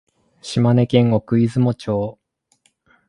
島根県奥出雲町